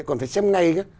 còn phải xem ngay